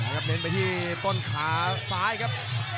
เน้นไปที่ต้นขาซ้ายครับ